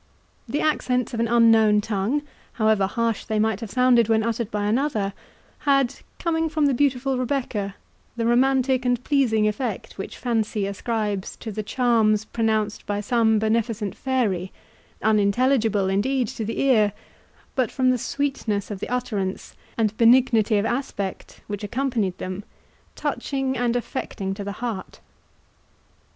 The accents of an unknown tongue, however harsh they might have sounded when uttered by another, had, coming from the beautiful Rebecca, the romantic and pleasing effect which fancy ascribes to the charms pronounced by some beneficent fairy, unintelligible, indeed, to the ear, but, from the sweetness of utterance, and benignity of aspect, which accompanied them, touching and affecting to the heart.